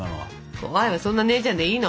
怖いわそんな姉ちゃんでいいの？